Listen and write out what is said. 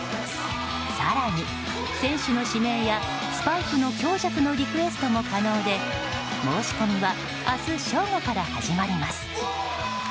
更に選手の指名やスパイクの強弱のリクエストも可能で申し込みは明日正午から始まります。